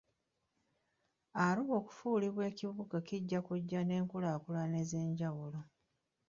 Arua okufuulibwa ekibuga kijja kujja n'enkulaakulana ez'enjawulo.